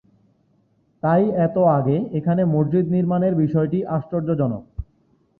তাই এত আগে এখানে মসজিদ নির্মাণের বিষয়টি আশ্চর্যজনক।